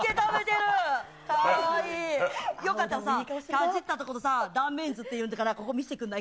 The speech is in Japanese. よかったらさ、かじったところさ、断面図っていうのかな、ここ、見せてくれない？